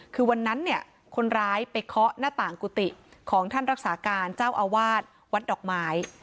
คือวันนั้นเนี่ยคนร้ายไปเคาะหน้าต่างกุฏิของท่านรักษาการเจ้าอาวาสวัดดอกไม้